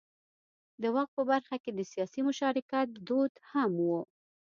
د واک په برخه کې د سیاسي مشارکت دود هم و.